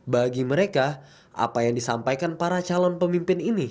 bagi mereka apa yang disampaikan para calon pemimpin ini